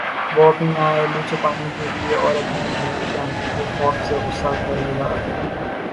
وہ اپنی نااہلی چھپانے کے لیے اور اپنے گھیرے جانے کے خوف سے غصہ کرے گا